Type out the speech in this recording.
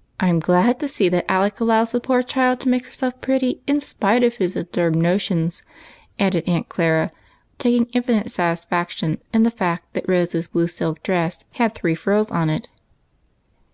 " I 'm glad to see that Alec allows the poor child to make herself pretty in spite of his absurd notions," added Aunt Clara, taking infinite satisfaction in the fact that Rose's blue silk dress had three frills on it.